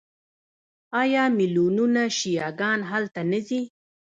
آیا میلیونونه شیعه ګان هلته نه ځي؟